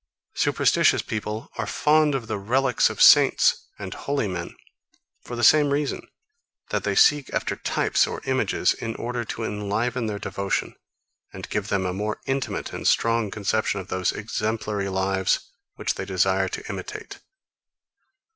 Superstitious people are fond of the reliques of saints and holy men, for the same reason, that they seek after types or images, in order to enliven their devotion, and give them a more intimate and strong conception of those exemplary lives, which they desire to imitate.